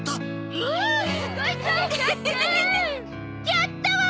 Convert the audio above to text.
やったわ！